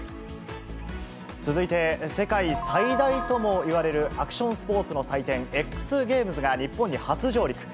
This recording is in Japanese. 続いて、世界最大ともいわれるアクションスポーツの祭典、ＸＧａｍｅｓが日本に初上陸。